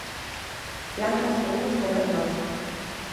Plantas que imos comer nós.